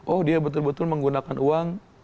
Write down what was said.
oh dia betul betul menggunakan uang